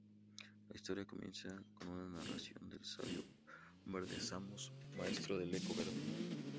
La historia comienza con una narración del sabio verde Samos, maestro del Eco Verde.